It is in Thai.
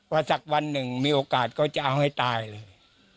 สักวันหนึ่งมีโอกาสก็จะเอาให้ตายเลย